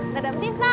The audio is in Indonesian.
dadah pris kak